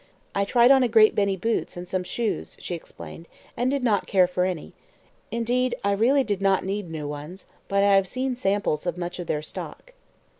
"I tried on a great many boots and some shoes," she explained, "and did not care for any. Indeed, I really did not need new ones; but I have seen samples of much of their stock."